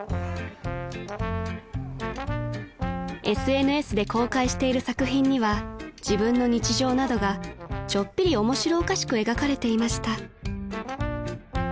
［ＳＮＳで公開している作品には自分の日常などがちょっぴり面白おかしく描かれていました］